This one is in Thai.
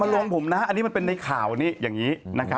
อย่ามาลวงผมนะอันนี้มันเป็นในข่าวนี้อย่างนี้นะครับ